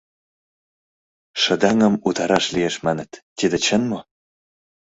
— Шыдаҥым утараш лиеш маныт, тиде чын мо?